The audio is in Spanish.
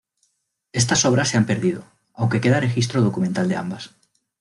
Estas obras se han perdido, aunque queda registro documental de ambas.